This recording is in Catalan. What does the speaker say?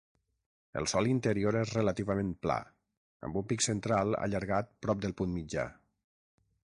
El sòl interior és relativament pla, amb un pic central allargat prop del punt mitjà.